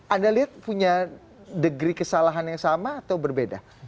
anda lihat punya degree kesalahan yang sama atau berbeda